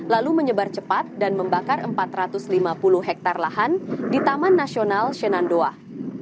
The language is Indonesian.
lalu menyebar cepat dan membakar empat ratus lima puluh hektare lahan di taman nasional senandoah